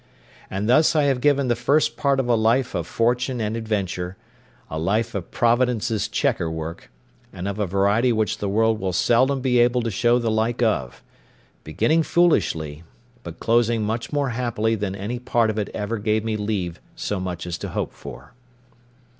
And thus I have given the first part of a life of fortune and adventure—a life of Providence's chequer work, and of a variety which the world will seldom be able to show the like of; beginning foolishly, but closing much more happily than any part of it ever gave me leave so much as to hope for.